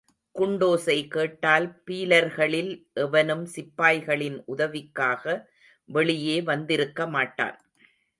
குண்டோசைகேட்டால் பீலர்களில் எவனும் சிப்பாய்களின் உதவிக்காக வெளியே வந்திருக்கமாட்டான்.